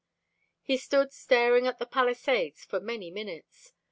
He stood staring at the palisades for many minutes.